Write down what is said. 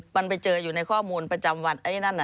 มันไปเจออยู่ในข้อมูลประจำวัน